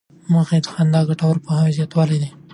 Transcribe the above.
موخه یې د خندا د ګټو پوهاوی زیاتول دي.